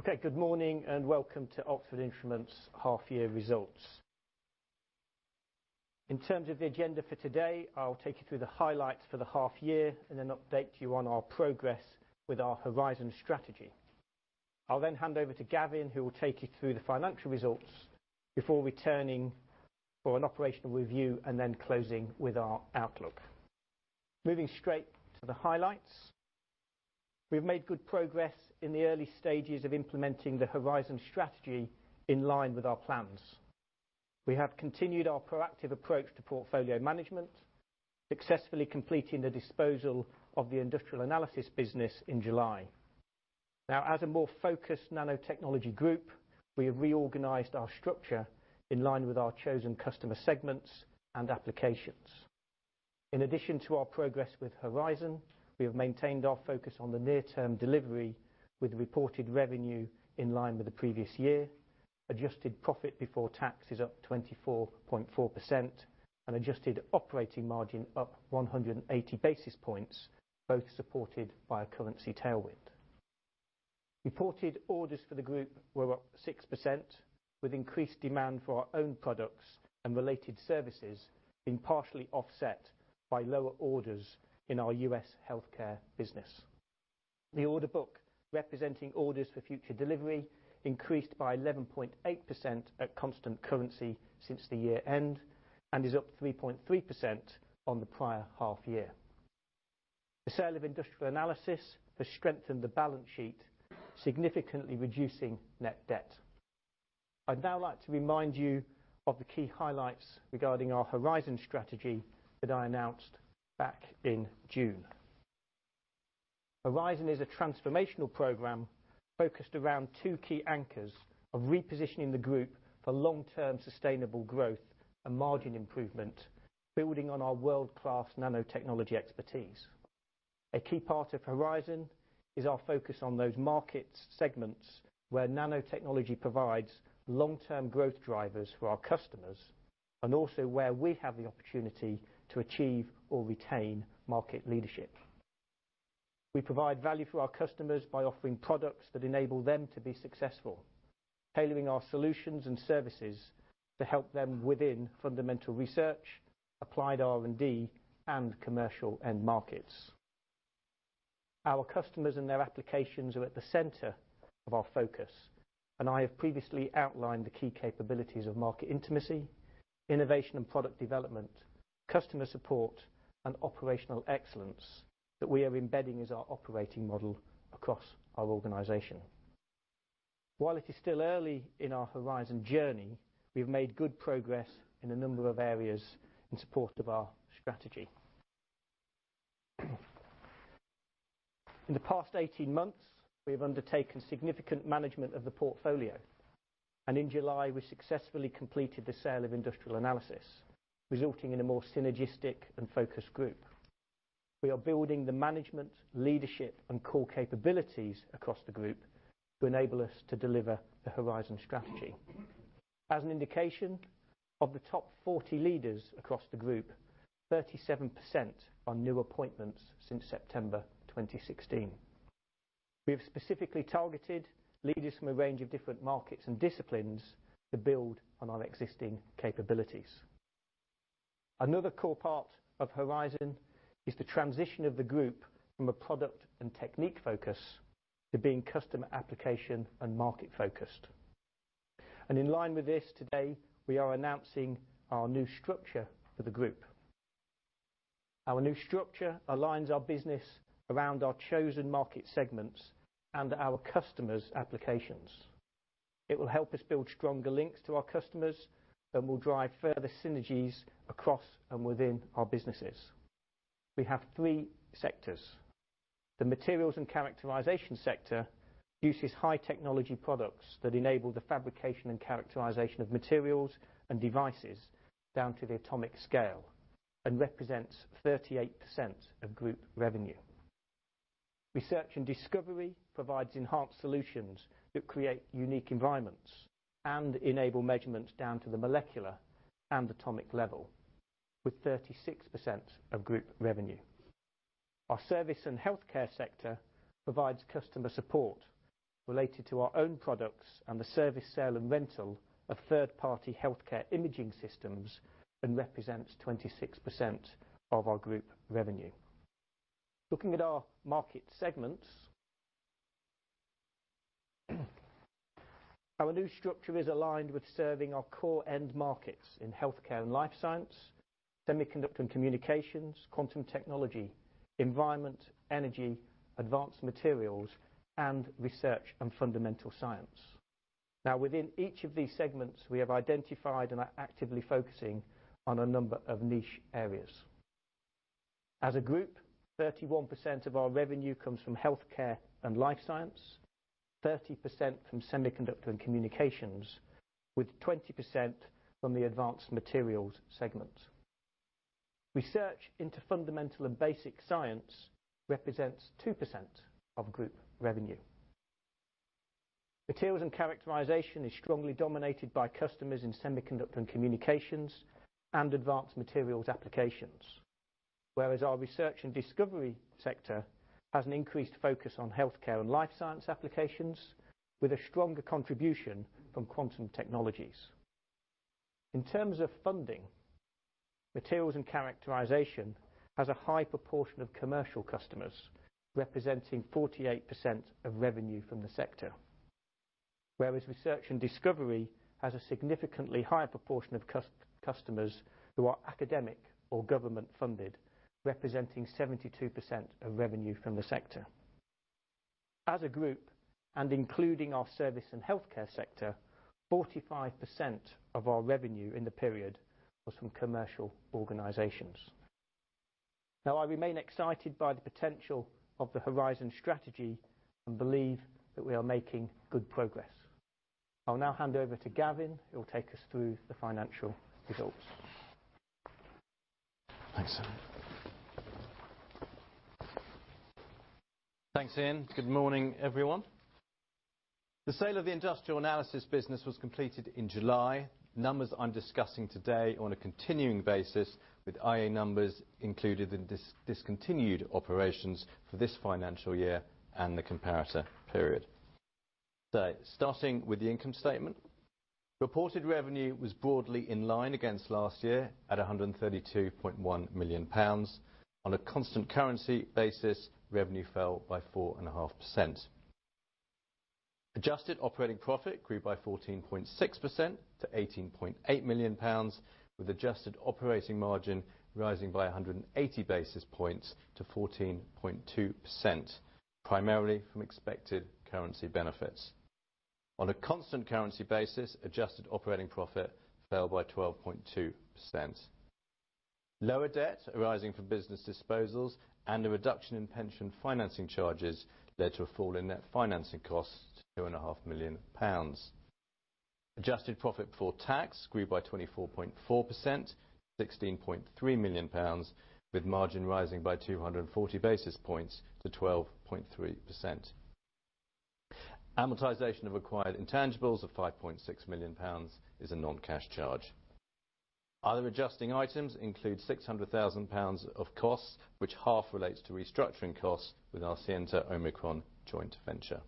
Okay, good morning and welcome to Oxford Instruments' Half-Year Results. In terms of the agenda for today, I'll take you through the highlights for the half-year and then update you on our progress with our Horizon Strategy. I'll then hand over to Gavin, who will take you through the financial results before returning for an operational review and then closing with our outlook. Moving straight to the highlights. We've made good progress in the early stages of implementing the Horizon Strategy in line with our plans. We have continued our proactive approach to portfolio management, successfully completing the disposal of the industrial analysis business in July. Now, as a more focused nanotechnology group, we have reorganized our structure in line with our chosen customer segments and applications. In addition to our progress with Horizon, we have maintained our focus on the near-term delivery with reported revenue in line with the previous year, adjusted profit before tax is up 24.4%, and adjusted operating margin up 180 basis points, both supported by a currency tailwind. Reported orders for the group were up 6%, with increased demand for our own products and related services being partially offset by lower orders in our U.S. healthcare business. The order book, representing orders for future delivery, increased by 11.8% at constant currency since the year-end and is up 3.3% on the prior half-year. The sale of industrial analysis has strengthened the balance sheet, significantly reducing net debt. I'd now like to remind you of the key highlights regarding our Horizon Strategy that I announced back in June. Horizon is a transformational program focused around two key anchors of repositioning the group for long-term sustainable growth and margin improvement, building on our world-class nanotechnology expertise. A key part of Horizon is our focus on those market segments where nanotechnology provides long-term growth drivers for our customers and also where we have the opportunity to achieve or retain market leadership. We provide value for our customers by offering products that enable them to be successful, tailoring our solutions and services to help them within fundamental research, applied R&D, and commercial end markets. Our customers and their applications are at the center of our focus, and I have previously outlined the key capabilities of market intimacy, innovation and product development, customer support, and operational excellence that we are embedding as our operating model across our organization. While it is still early in our Horizon journey, we've made good progress in a number of areas in support of our strategy. In the past 18 months, we have undertaken significant management of the portfolio, and in July, we successfully completed the sale of industrial analysis, resulting in a more synergistic and focused group. We are building the management, leadership, and core capabilities across the group to enable us to deliver the Horizon Strategy. As an indication of the top 40 leaders across the group, 37% are new appointments since September 2016. We have specifically targeted leaders from a range of different markets and disciplines to build on our existing capabilities. Another core part of Horizon is the transition of the group from a product and technique focus to being customer application and market focused. In line with this, today, we are announcing our new structure for the group. Our new structure aligns our business around our chosen market segments and our customers' applications. It will help us build stronger links to our customers and will drive further synergies across and within our businesses. We have three sectors. The materials and characterization sector uses high-technology products that enable the fabrication and characterization of materials and devices down to the atomic scale and represents 38% of group revenue. Research and discovery provides enhanced solutions that create unique environments and enable measurements down to the molecular and atomic level, with 36% of group revenue. Our service and healthcare sector provides customer support related to our own products and the service sale and rental of third-party healthcare imaging systems and represents 26% of our group revenue. Looking at our market segments, our new structure is aligned with serving our core end markets in healthcare and life science, semiconductor and communications, quantum technology, environment, energy, advanced materials, and research and fundamental science. Now, within each of these segments, we have identified and are actively focusing on a number of niche areas. As a group, 31% of our revenue comes from healthcare and life science, 30% from semiconductor and communications, with 20% from the advanced materials segment. Research into fundamental and basic science represents 2% of group revenue. Materials and characterization is strongly dominated by customers in semiconductor and communications and advanced materials applications, whereas our research and discovery sector has an increased focus on healthcare and life science applications with a stronger contribution from quantum technologies. In terms of funding, materials and characterization has a high proportion of commercial customers, representing 48% of revenue from the sector, whereas research and discovery has a significantly higher proportion of customers who are academic or government-funded, representing 72% of revenue from the sector. As a group, and including our service and healthcare sector, 45% of our revenue in the period was from commercial organizations. Now, I remain excited by the potential of the Horizon Strategy and believe that we are making good progress. I'll now hand over to Gavin, who will take us through the financial results. Thanks, Ian. Good morning, everyone. The sale of the industrial analysis business was completed in July. Numbers I'm discussing today are on a continuing basis, with IA numbers included in discontinued operations for this financial year and the comparator period. Starting with the income statement, reported revenue was broadly in line against last year at 132.1 million pounds. On a constant currency basis, revenue fell by 4.5%. Adjusted operating profit grew by 14.6% to 18.8 million pounds, with adjusted operating margin rising by 180 basis points to 14.2%, primarily from expected currency benefits. On a constant currency basis, adjusted operating profit fell by 12.2%. Lower debt arising from business disposals and a reduction in pension financing charges led to a fall in net financing cost to 2.5 million pounds. Adjusted profit before tax grew by 24.4% to 16.3 million pounds, with margin rising by 240 basis points to 12.3%. Amortization of acquired intangibles of 5.6 million pounds is a non-cash charge. Other adjusting items include 600,000 pounds of costs, which half relates to restructuring costs with our Scienta Omicron joint venture.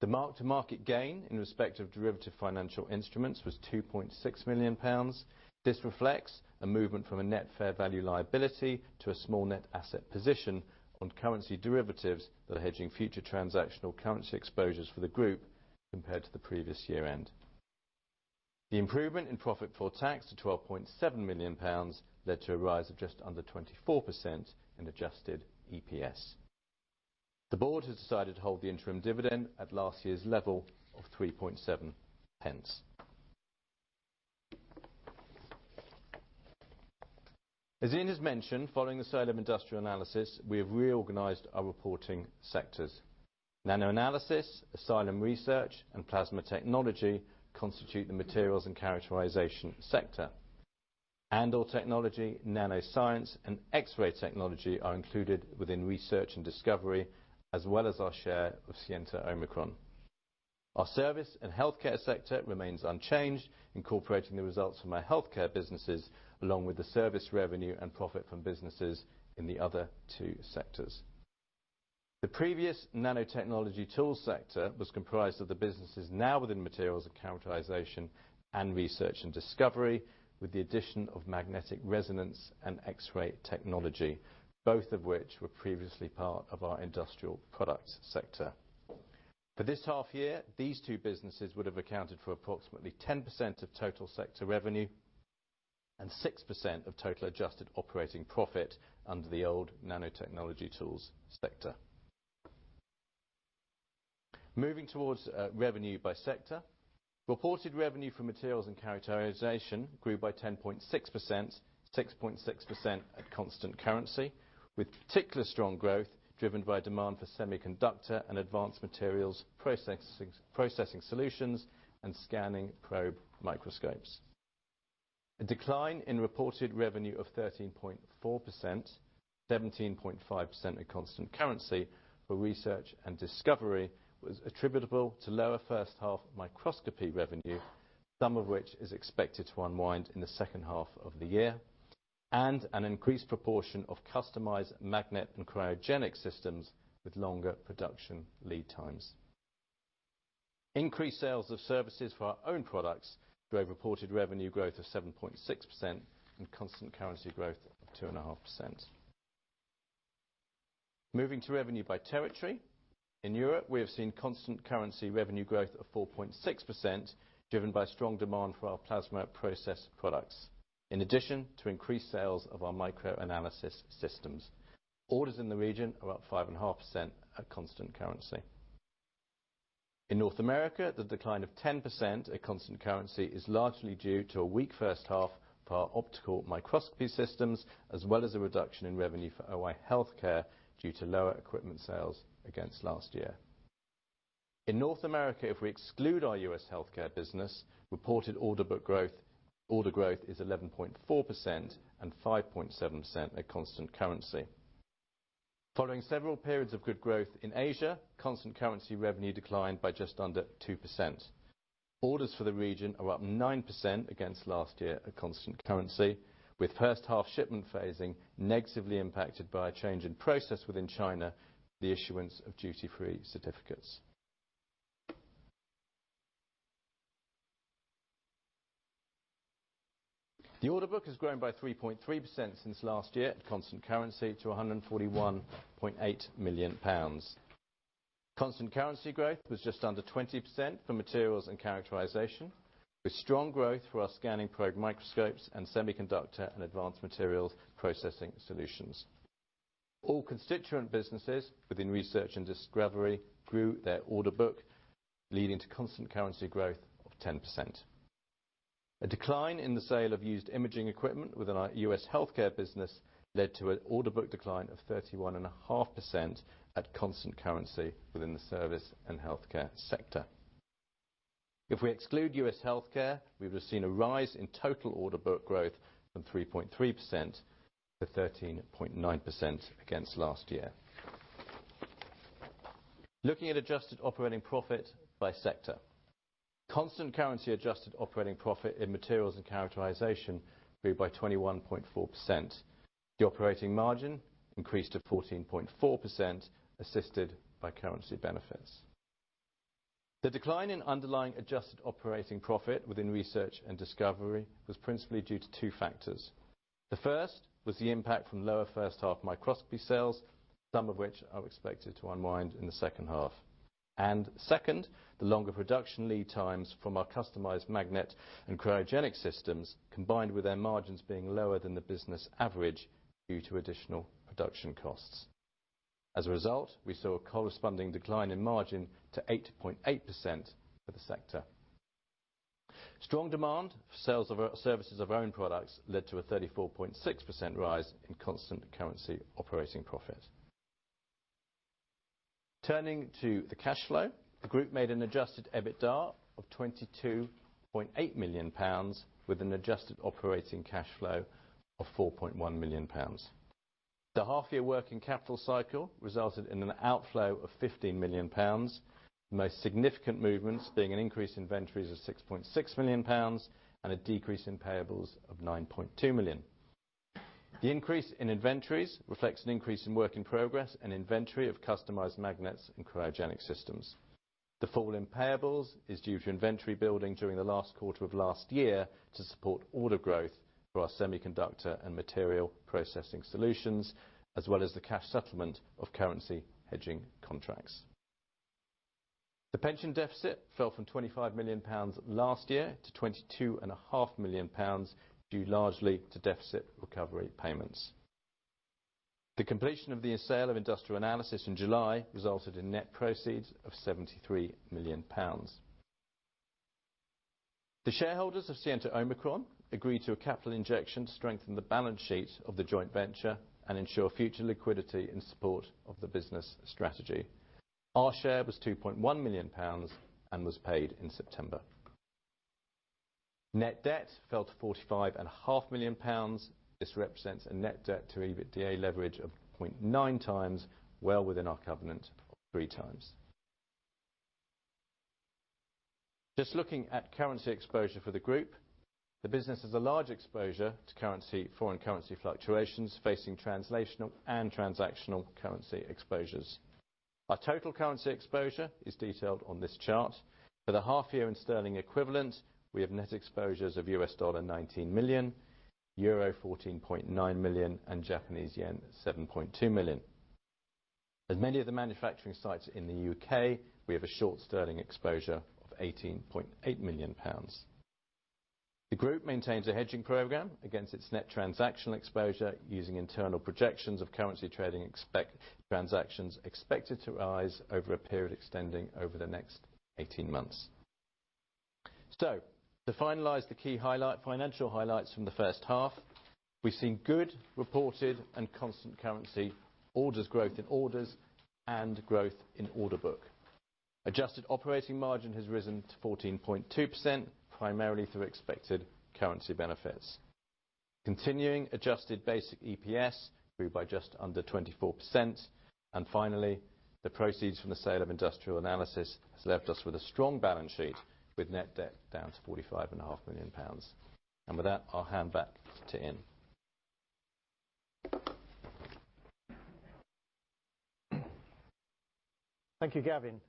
The mark-to-market gain in respect of derivative financial instruments was 2.6 million pounds. This reflects a movement from a net fair value liability to a small net asset position on currency derivatives that are hedging future transactional currency exposures for the group compared to the previous year-end. The improvement in profit before tax to 12.7 million pounds led to a rise of just under 24% in adjusted EPS. The board has decided to hold the interim dividend at last year's level of 3.7 pence. As Ian has mentioned, following the sale of industrial analysis, we have reorganized our reporting sectors. Asylum Research, and Plasma Technology constitute the materials and characterization sector. All Andor Technology, NanoScience, and X-ray Technology are included within research and discovery, as well as our share of Scienta Omicron. Our service and healthcare sector remains unchanged, incorporating the results from our healthcare businesses along with the service revenue and profit from businesses in the other two sectors. The previous nanotechnology tool sector was comprised of the businesses now within materials and characterization and research and discovery, with the addition of magnetic resonance and X-ray Technology, both of which were previously part of our industrial products sector. For this half-year, these two businesses would have accounted for approximately 10% of total sector revenue and 6% of total adjusted operating profit under the old nanotechnology tools sector. Moving towards revenue by sector, reported revenue from materials and characterization grew by 10.6%, 6.6% at constant currency, with particular strong growth driven by demand for semiconductor and advanced materials processing solutions and scanning probe microscopes. A decline in reported revenue of 13.4%, 17.5% in constant currency for research and discovery was attributable to lower first-half microscopy revenue, some of which is expected to unwind in the second half of the year, and an increased proportion of customized magnet and cryogenic systems with longer production lead times. Increased sales of services for our own products drove reported revenue growth of 7.6% and constant currency growth of 2.5%. Moving to revenue by territory, in Europe, we have seen constant currency revenue growth of 4.6%, driven by strong demand for our plasma process products, in addition to increased sales of our microanalysis systems. Orders in the region are up 5.5% at constant currency. In North America, the decline of 10% at constant currency is largely due to a weak first half for our optical microscopy systems, as well as a reduction in revenue for OI Healthcare due to lower equipment sales against last year. In North America, if we exclude our U.S. healthcare business, reported order book growth is 11.4% and 5.7% at constant currency. Following several periods of good growth in Asia, constant currency revenue declined by just under 2%. Orders for the region are up 9% against last year at constant currency, with first-half shipment phasing negatively impacted by a change in process within China, the issuance of duty-free certificates. The order book has grown by 3.3% since last year at constant currency to 141.8 million pounds. Constant currency growth was just under 20% for materials and characterization, with strong growth for our scanning probe microscopes and semiconductor and advanced materials processing solutions. All constituent businesses within research and discovery grew their order book, leading to constant currency growth of 10%. A decline in the sale of used imaging equipment within our U.S. healthcare business led to an order book decline of 31.5% at constant currency within the service and healthcare sector. If we exclude U.S. healthcare, we would have seen a rise in total order book growth from 3.3% to 13.9% against last year. Looking at adjusted operating profit by sector, constant currency adjusted operating profit in materials and characterization grew by 21.4%. The operating margin increased to 14.4%, assisted by currency benefits. The decline in underlying adjusted operating profit within research and discovery was principally due to two factors. The first was the impact from lower first-half microscopy sales, some of which are expected to unwind in the second half. Second, the longer production lead times from our customized magnet and cryogenic systems, combined with their margins being lower than the business average due to additional production costs. As a result, we saw a corresponding decline in margin to 8.8% for the sector. Strong demand for sales of our services of our own products led to a 34.6% rise in constant currency operating profit. Turning to the cash flow, the group made an adjusted EBITDA of 22.8 million pounds, with an adjusted operating cash flow of 4.1 million pounds. The half-year working capital cycle resulted in an outflow of 15 million pounds, the most significant movements being an increase in inventories of 6.6 million pounds and a decrease in payables of 9.2 million. The increase in inventories reflects an increase in work in progress and inventory of customized magnets and cryogenic systems. The fall in payables is due to inventory building during the last quarter of last year to support order growth for our semiconductor and material processing solutions, as well as the cash settlement of currency hedging contracts. The pension deficit fell from 25 million pounds last year to 22.5 million pounds due largely to deficit recovery payments. The completion of the sale of industrial analysis in July resulted in net proceeds of 73 million pounds. The shareholders of Scienta Omicron agreed to a capital injection to strengthen the balance sheet of the joint venture and ensure future liquidity in support of the business strategy. Our share was 2.1 million pounds and was paid in September. Net debt fell to 45.5 million pounds. This represents a net debt to EBITDA leverage of 0.9 times, well within our covenant of three times. Just looking at currency exposure for the group, the business has a large exposure to foreign currency fluctuations facing translational and transactional currency exposures. Our total currency exposure is detailed on this chart. For the half-year in sterling equivalent, we have net exposures of $19 million, euro 14.9 million, and Japanese yen 7.2 million. As many of the manufacturing sites in the U.K., we have a short sterling exposure of 18.8 million pounds. The group maintains a hedging program against its net transactional exposure using internal projections of currency trading transactions expected to arise over a period extending over the next 18 months. To finalize the key financial highlights from the first half, we've seen good reported and constant currency orders growth in orders and growth in order book. Adjusted operating margin has risen to 14.2%, primarily through expected currency benefits. Continuing adjusted basic EPS grew by just under 24%. Finally, the proceeds from the sale of industrial analysis has left us with a strong balance sheet, with net debt down to GBP 45.5 million. With that, I'll hand back to Ian. Thank you, Gavin.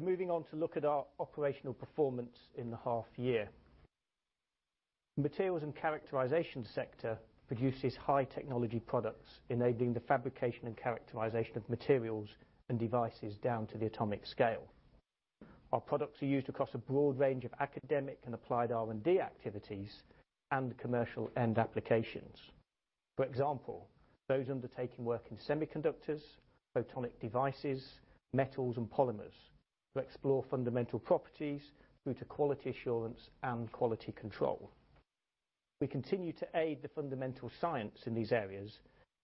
Moving on to look at our operational performance in the half-year. The materials and characterization sector produces high-technology products, enabling the fabrication and characterization of materials and devices down to the atomic scale. Our products are used across a broad range of academic and applied R&D activities and commercial-end applications. For example, those undertaking work in semiconductors, photonic devices, metals, and polymers who explore fundamental properties through to quality assurance and quality control. We continue to aid the fundamental science in these areas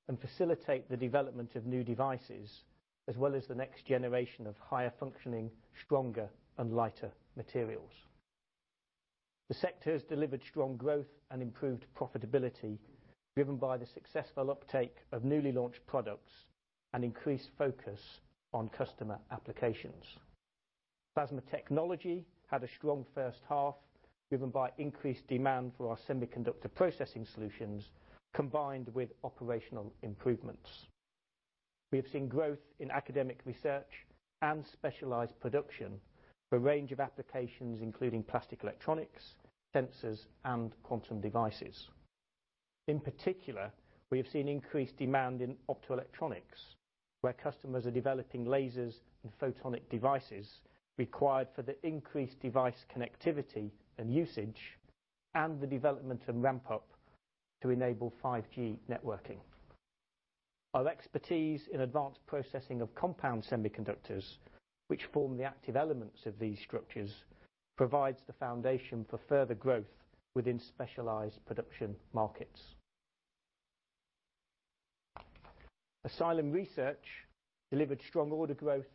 and facilitate the development of new devices, as well as the next generation of higher-functioning, stronger, and lighter materials. The sector has delivered strong growth and improved profitability, driven by the successful uptake of newly launched products and increased focus on customer applications. Plasma Technology had a strong first half, driven by increased demand for our semiconductor processing solutions, combined with operational improvements. We have seen growth in academic research and specialized production for a range of applications, including plastic electronics, sensors, and quantum devices. In particular, we have seen increased demand in optoelectronics, where customers are developing lasers and photonic devices required for the increased device connectivity and usage, and the development and ramp-up to enable 5G networking. Our expertise in advanced processing of compound semiconductors, which form the active elements of these structures, provides the foundation for further growth within specialized production markets. Asylum Research delivered strong order growth,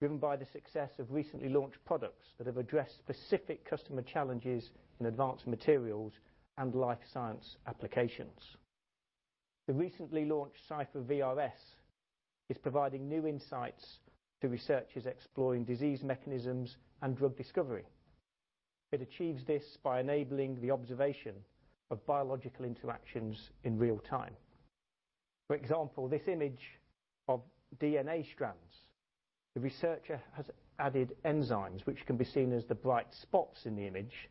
driven by the success of recently launched products that have addressed specific customer challenges in advanced materials and life science applications. The recently launched Cypher VRS is providing new insights to researchers exploring disease mechanisms and drug discovery. It achieves this by enabling the observation of biological interactions in real time. For example, in this image of DNA strands, the researcher has added enzymes, which can be seen as the bright spots in the image,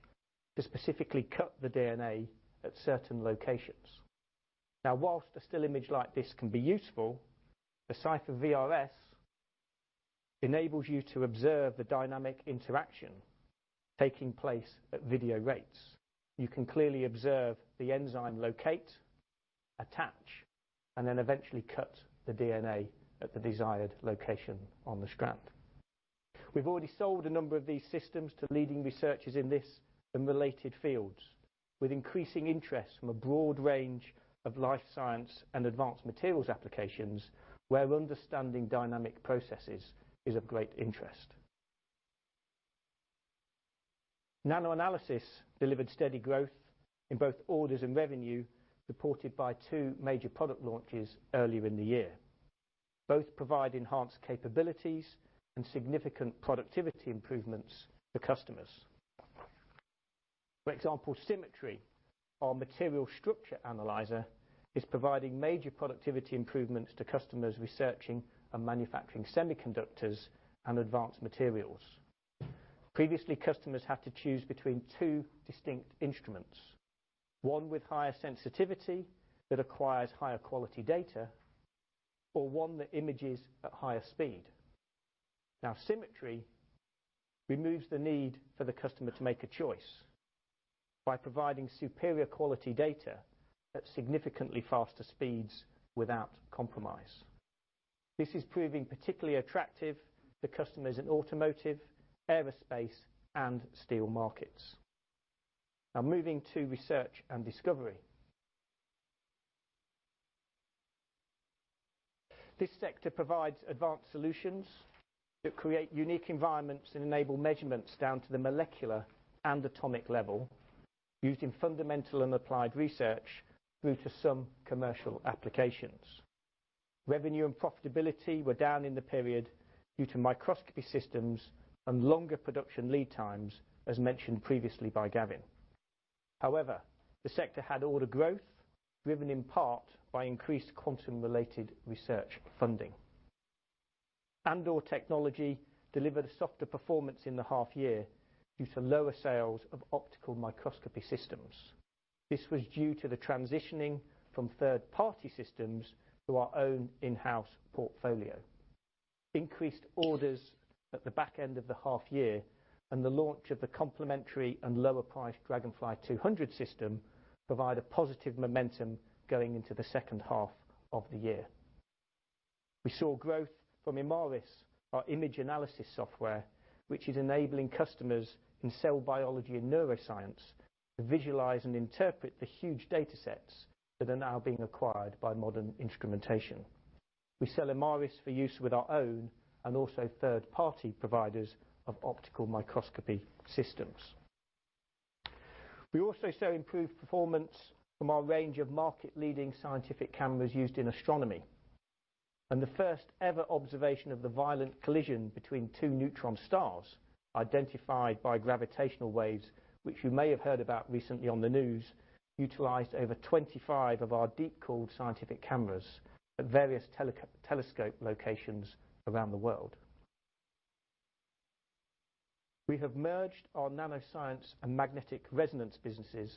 to specifically cut the DNA at certain locations. Now, whilst a still image like this can be useful, the Cypher VRS enables you to observe the dynamic interaction taking place at video rates. You can clearly observe the enzyme locate, attach, and then eventually cut the DNA at the desired location on the strand. We've already sold a number of these systems to leading researchers in this and related fields, with increasing interest from a broad range of life science and advanced materials applications where understanding dynamic processes is of great interest. NanoAnalysis delivered steady growth in both orders and revenue reported by two major product launches earlier in the year. Both provide enhanced capabilities and significant productivity improvements for customers. For example, Symmetry, our material structure analyzer, is providing major productivity improvements to customers researching and manufacturing semiconductors and advanced materials. Previously, customers had to choose between two distinct instruments: one with higher sensitivity that acquires higher quality data, or one that images at higher speed. Now, Symmetry removes the need for the customer to make a choice by providing superior quality data at significantly faster speeds without compromise. This is proving particularly attractive for customers in automotive, aerospace, and steel markets. Now, moving to research and discovery. This sector provides advanced solutions that create unique environments and enable measurements down to the molecular and atomic level, used in fundamental and applied research through to some commercial applications. Revenue and profitability were down in the period due to microscopy systems and longer production lead times, as mentioned previously by Gavin. However, the sector had order growth, driven in part by increased quantum-related research funding. Andor Technology delivered a softer performance in the half-year due to lower sales of optical microscopy systems. This was due to the transitioning from third-party systems to our own in-house portfolio. Increased orders at the back end of the half-year and the launch of the complementary and lower-priced Dragonfly 200 system provide a positive momentum going into the second half of the year. We saw growth from Imaris, our image analysis software, which is enabling customers in cell biology and neuroscience to visualize and interpret the huge data sets that are now being acquired by modern instrumentation. We sell Imaris for use with our own and also third-party providers of optical microscopy systems. We also saw improved performance from our range of market-leading scientific cameras used in astronomy. The first-ever observation of the violent collision between two neutron stars, identified by gravitational waves, which you may have heard about recently on the news, utilized over 25 of our deep-cooled scientific cameras at various telescope locations around the world. We have merged our NanoScience and magnetic resonance businesses,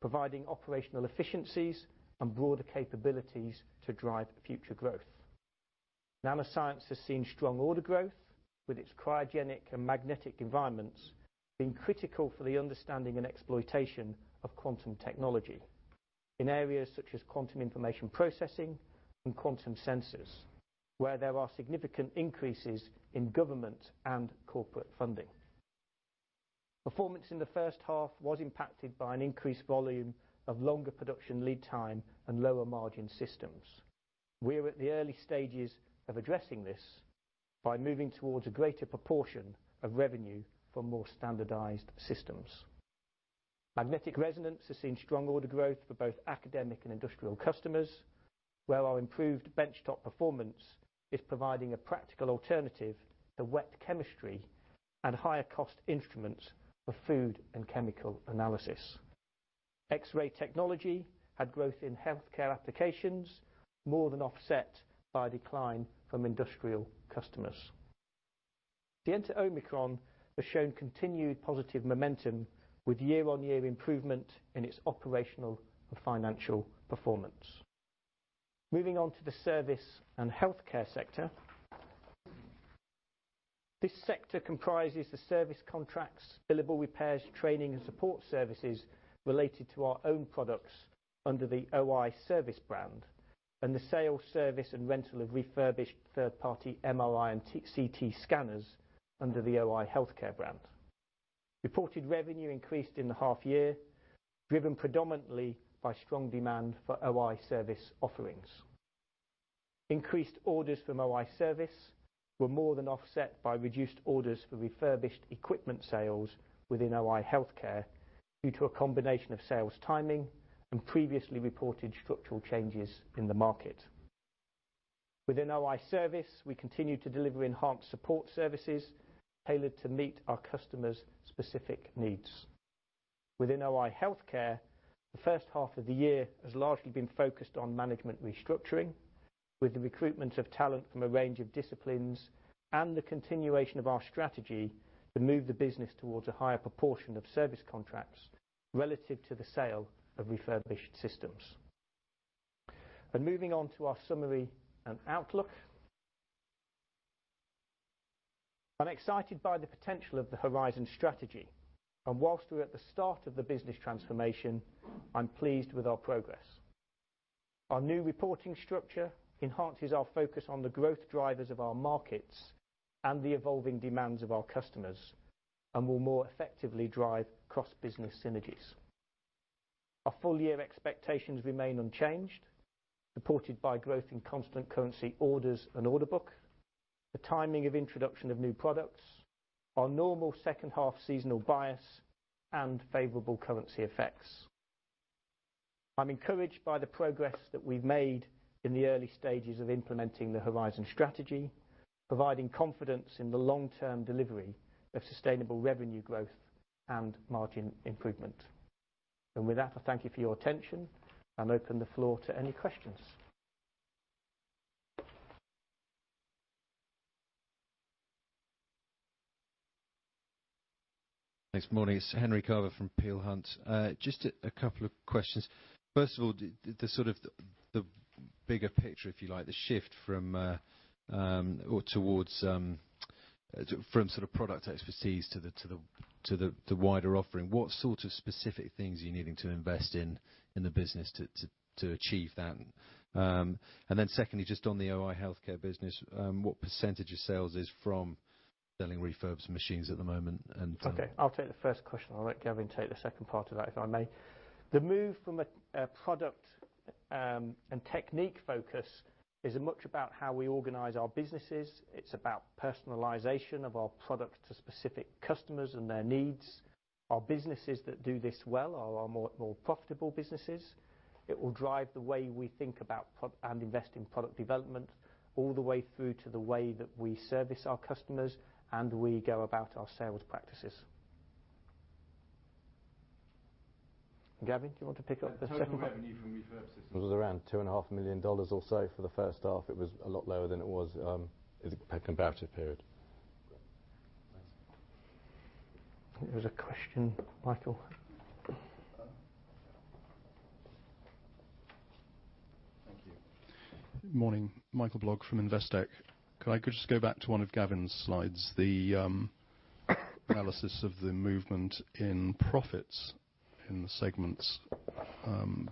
providing operational efficiencies and broader capabilities to drive future growth. NanoScience has seen strong order growth, with its cryogenic and magnetic environments being critical for the understanding and exploitation of quantum technology in areas such as quantum information processing and quantum sensors, where there are significant increases in government and corporate funding. Performance in the first half was impacted by an increased volume of longer production lead time and lower margin systems. We are at the early stages of addressing this by moving towards a greater proportion of revenue from more standardized systems. Magnetic resonance has seen strong order growth for both academic and industrial customers, where our improved benchtop performance is providing a practical alternative to wet chemistry and higher-cost instruments for food and chemical analysis. X-ray Technology had growth in healthcare applications, more than offset by decline from industrial customers. Scienta Omicron has shown continued positive momentum, with year-on-year improvement in its operational and financial performance. Moving on to the service and healthcare sector. This sector comprises the service contracts, billable repairs, training, and support services related to our own products under the OI Service brand, and the sale, service, and rental of refurbished third-party MRI and CT scanners under the OI Healthcare brand. Reported revenue increased in the half-year, driven predominantly by strong demand for OI Service offerings. Increased orders from OI Service were more than offset by reduced orders for refurbished equipment sales within OI Healthcare due to a combination of sales timing and previously reported structural changes in the market. Within OI Service, we continue to deliver enhanced support services tailored to meet our customers' specific needs. Within OI healthcare, the first half of the year has largely been focused on management restructuring, with the recruitment of talent from a range of disciplines and the continuation of our strategy to move the business towards a higher proportion of service contracts relative to the sale of refurbished systems. Moving on to our summary and outlook. I'm excited by the potential of the Horizon Strategy. Whilst we're at the start of the business transformation, I'm pleased with our progress. Our new reporting structure enhances our focus on the growth drivers of our markets and the evolving demands of our customers, and will more effectively drive cross-business synergies. Our full-year expectations remain unchanged, supported by growth in constant currency orders and order book, the timing of introduction of new products, our normal second half seasonal bias, and favorable currency effects. I'm encouraged by the progress that we've made in the early stages of implementing the Horizon Strategy, providing confidence in the long-term delivery of sustainable revenue growth and margin improvement. I thank you for your attention and open the floor to any questions. Thanks, morning. It's Henry Carver from Peel Hunt. Just a couple of questions. First of all, the sort of the bigger picture, if you like, the shift from, or towards, from sort of product expertise to the wider offering. What sort of specific things are you needing to invest in the business to achieve that? Secondly, just on the OI healthcare business, what percentage of sales is from selling refurbished machines at the moment? Okay. I'll take the first question. I'll let Gavin take the second part of that, if I may. The move from a product and technique focus is much about how we organize our businesses. It's about personalization of our product to specific customers and their needs. Our businesses that do this well are more profitable businesses. It will drive the way we think about and invest in product development, all the way through to the way that we service our customers and the way we go about our sales practices. Gavin, do you want to pick up the second? The total revenue from refurbished systems was around $2.5 million or so for the first half. It was a lot lower than it was in a comparative period. There was a question, Michael. Thank you. Morning. Michael Blogg from Investec. Could I just go back to one of Gavin's slides, the analysis of the movement in profits in the segments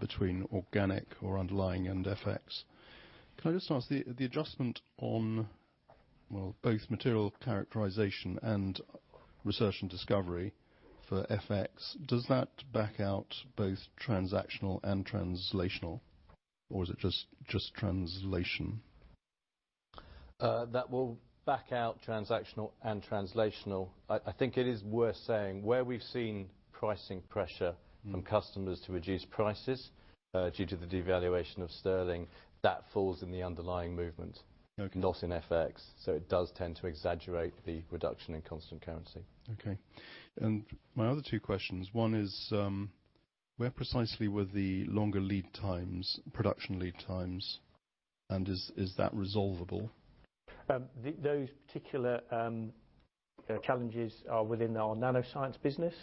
between organic or underlying and FX? Can I just ask, the adjustment on both material characterization and research and discovery for FX, does that back out both transactional and translational, or is it just translation? That will back out transactional and translational. I think it is worth saying where we've seen pricing pressure from customers to reduce prices due to the devaluation of sterling, that falls in the underlying movement, not in FX. It does tend to exaggerate the reduction in constant currency. Okay. My other two questions, one is, where precisely were the longer lead times, production lead times, and is that resolvable? Those particular challenges are within our NanoScience business,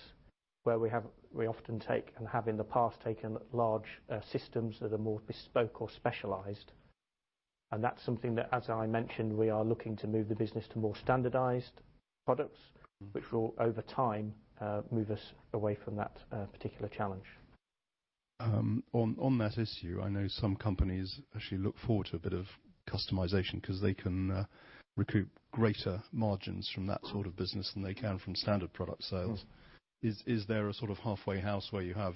where we often take and have in the past taken large systems that are more bespoke or specialized. That is something that, as I mentioned, we are looking to move the business to more standardized products, which will over time move us away from that particular challenge. On that issue, I know some companies actually look forward to a bit of customization because they can recoup greater margins from that sort of business than they can from standard product sales. Is there a sort of halfway house where you have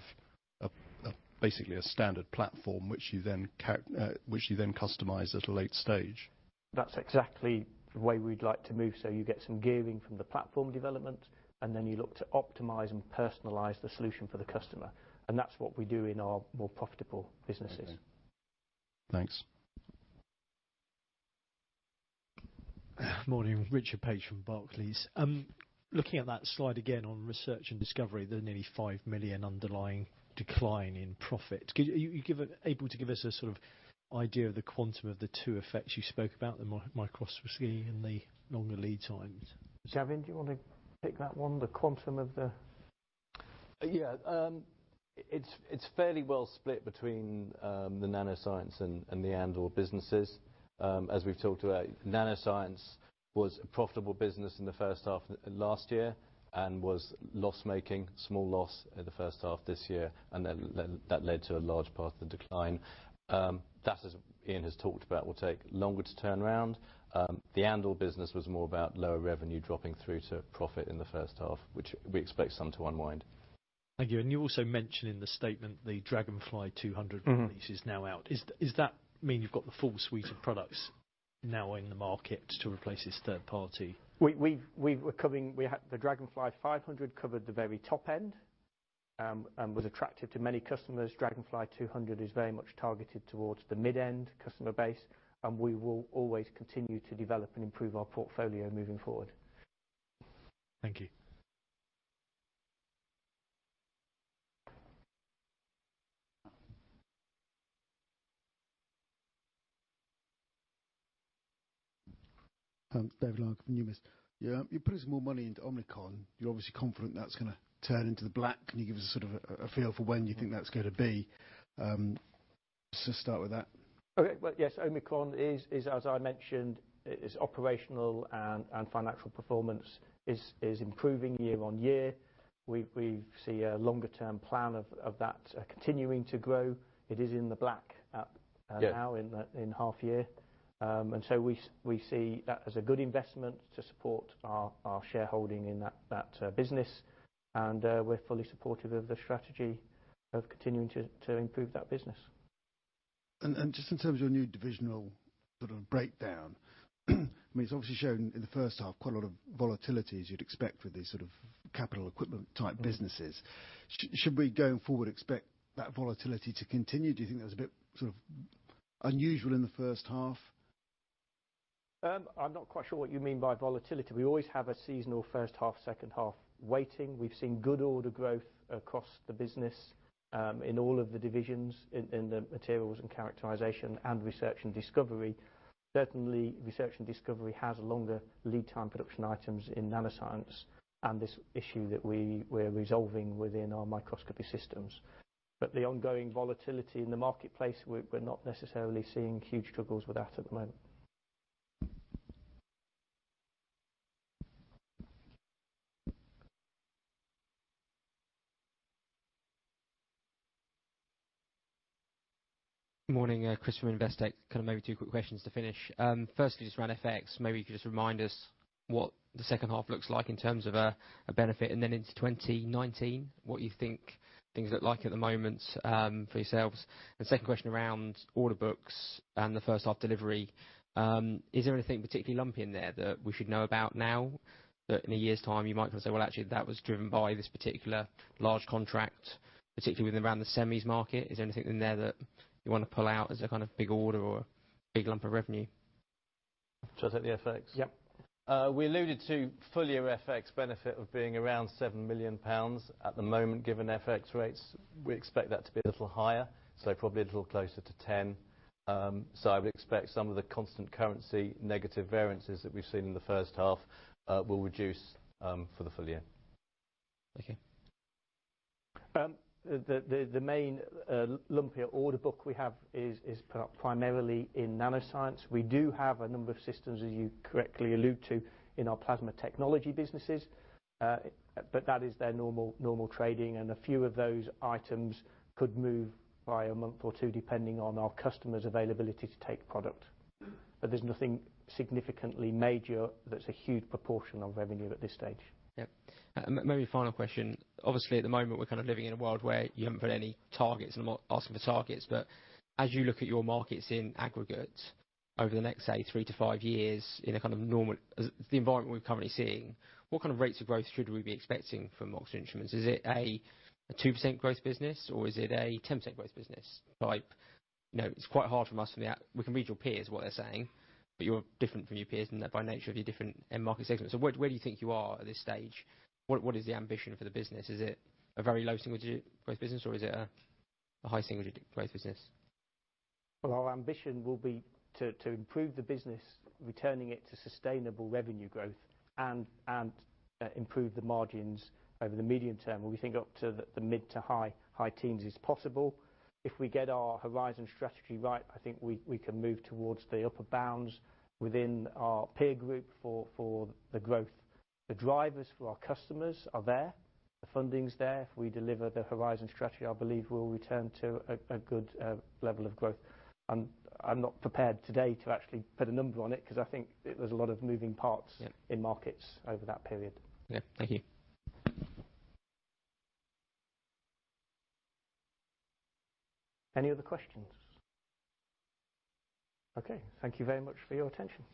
basically a standard platform, which you then customize at a late stage? is exactly the way we'd like to move. You get some gearing from the platform development, and then you look to optimize and personalize the solution for the customer. That is what we do in our more profitable businesses. Thanks. Morning. Richard Page from Barclays. Looking at that slide again on research and discovery, the nearly $5 million underlying decline in profit. Are you able to give us a sort of idea of the quantum of the two effects you spoke about, the microscopy and the longer lead times? Gavin, do you want to pick that one, the quantum of the? Yeah. It's fairly well split between the NanoScience and the Andor businesses. As we've talked about, NanoScience was a profitable business in the first half last year and was loss-making, small loss in the first half this year, and that led to a large part of the decline. That is, Ian has talked about, will take longer to turn around. The Andor business was more about lower revenue dropping through to profit in the first half, which we expect some to unwind. Thank you. You also mentioned in the statement the Dragonfly 200 release is now out. Is that mean you've got the full suite of products now in the market to replace this third-party? We were covering the Dragonfly 500, covered the very top end, and was attractive to many customers. Dragonfly 200 is very much targeted towards the mid-end customer base, and we will always continue to develop and improve our portfolio moving forward. Thank you. David Lark from Numis. You put as more money into Omicron, you're obviously confident that's going to turn into the black. Can you give us a sort of a feel for when you think that's going to be? Start with that. Okay. Yes, Omicron is, as I mentioned, operational, and financial performance is improving year on year. We see a longer-term plan of that continuing to grow. It is in the black now in half-year. We see that as a good investment to support our shareholding in that business. We are fully supportive of the strategy of continuing to improve that business. Just in terms of your new divisional sort of breakdown, I mean, it's obviously shown in the first half quite a lot of volatility as you'd expect with these sort of capital equipment-type businesses. Should we go forward expect that volatility to continue? Do you think that's a bit sort of unusual in the first half? I'm not quite sure what you mean by volatility. We always have a seasonal first half, second half waiting. We've seen good order growth across the business in all of the divisions in the materials and characterization and research and discovery. Certainly, research and discovery has longer lead time production items in NanoScience and this issue that we're resolving within our microscopy systems. The ongoing volatility in the marketplace, we're not necessarily seeing huge struggles with that at the moment. Morning, Chris from Investec. Kind of maybe two quick questions to finish. Firstly, just around FX, maybe you could just remind us what the second half looks like in terms of a benefit, and then into 2019, what you think things look like at the moment for yourselves. Second question around order books and the first half delivery. Is there anything particularly lumpy in there that we should know about now that in a year's time you might kind of say, "Well, actually, that was driven by this particular large contract," particularly within around the semis market? Is there anything in there that you want to pull out as a kind of big order or big lump of revenue? Should I take the FX? Yep. We alluded to fully a FX benefit of being around 7 million pounds at the moment given FX rates. We expect that to be a little higher, probably a little closer to 10. I would expect some of the constant currency negative variances that we've seen in the first half will reduce for the full year. Thank you. The main lumpy order book we have is put up primarily in NanoScience. We do have a number of systems, as you correctly alluded to, in our Plasma Technology businesses, but that is their normal trading. A few of those items could move by a month or two depending on our customers' availability to take product. There is nothing significantly major that is a huge proportion of revenue at this stage. Yep. Maybe final question. Obviously, at the moment, we're kind of living in a world where you haven't put any targets, and I'm not asking for targets, but as you look at your markets in aggregate over the next, say, three to five years in a kind of normal environment we're currently seeing, what kind of rates of growth should we be expecting from Oxford Instruments? Is it a 2% growth business, or is it a 10% growth business? It's quite hard for us to—we can read your peers what they're saying, but you're different from your peers in that by nature of your different end market segments. Where do you think you are at this stage? What is the ambition for the business? Is it a very low single-digit growth business, or is it a high single-digit growth business? Our ambition will be to improve the business, returning it to sustainable revenue growth, and improve the margins over the medium term. We think up to the mid to high teens is possible. If we get our Horizon strategy right, I think we can move towards the upper bounds within our peer group for the growth. The drivers for our customers are there. The funding's there. If we deliver the Horizon strategy, I believe we'll return to a good level of growth. I'm not prepared today to actually put a number on it because I think there's a lot of moving parts in markets over that period. Yeah. Thank you. Any other questions? Okay. Thank you very much for your attention.